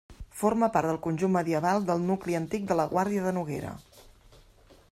Forma part del conjunt medieval del nucli antic de la Guàrdia de Noguera.